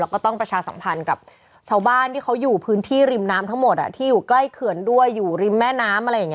แล้วก็ต้องประชาสัมพันธ์กับชาวบ้านที่เขาอยู่พื้นที่ริมน้ำทั้งหมดที่อยู่ใกล้เขื่อนด้วยอยู่ริมแม่น้ำอะไรอย่างนี้